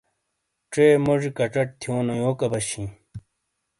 ژے موجی کچٹ تھیونیو یوک عَبش ہِیں۔